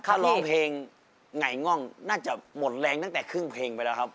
ถ้าร้องเพลงไงง่องน่าจะหมดแรงตั้งแต่ครึ่งเพลงไปแล้วครับ